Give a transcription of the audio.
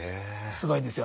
すごいんですよ。